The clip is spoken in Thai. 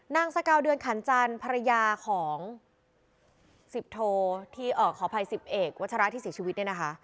สกาวเดือนขันจันทร์ภรรยาของ๑๐โทที่ขออภัยสิบเอกวัชราที่เสียชีวิตเนี่ยนะคะ